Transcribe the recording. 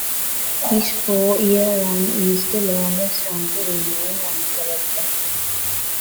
His four-year run is the longest run to remain uncollected.